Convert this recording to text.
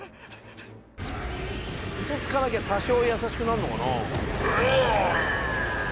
嘘つかなきゃ多少優しくなんのかな。